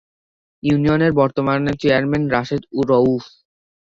ইউনিয়নের বর্তমান চেয়ারম্যান রাশেদ রউফ।